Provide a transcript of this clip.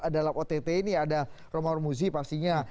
dalam ott ini ada romahur muzi pastinya